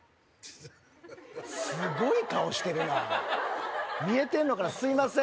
すごい顔してるな見えてんのかなすいません